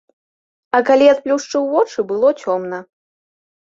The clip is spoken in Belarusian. А калі адплюшчыў вочы, было цёмна.